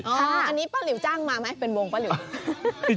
อันนี้ป้าหลิวจ้างมาไหมเป็นวงป้าหลิว